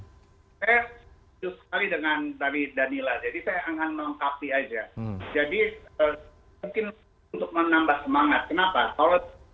saya sama sekali dengan dari danila